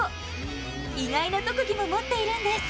意外な特技も持っているんです。